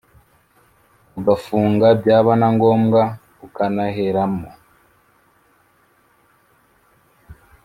Ugafunga byaba nangombwa ukanaheramo